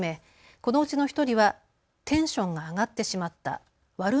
このうちの１人はテンションが上がってしまった。